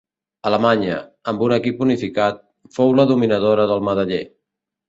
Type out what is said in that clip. Alemanya, amb un equip unificat, fou la dominadora del medaller.